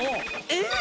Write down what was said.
えっ？